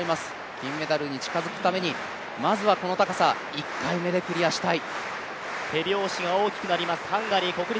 金メダルに近づくために、まずはこの高さ、１回目でクリアしたい。